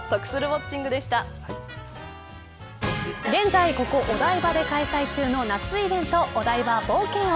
以上現在、ここお台場で開催中の夏イベントお台場冒険王。